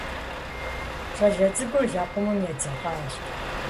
Щӏалэ цӏыкӏур лэкъумым едзэкъащ..